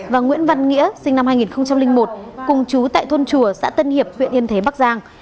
và nguyễn văn nghĩa sinh năm hai nghìn một cùng chú tại thôn chùa xã tân hiệp huyện yên thế bắc giang